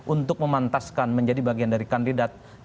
untuk memantaskan menjadi bagian dari kandidat